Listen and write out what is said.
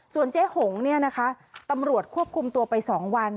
ส่วนเจ๊หงตำรวจควบคุมตัวไป๒วัน